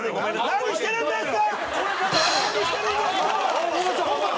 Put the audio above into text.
何してるんですか！